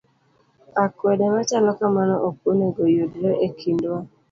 Akwede machalo kamani ok onego yudre e kindwa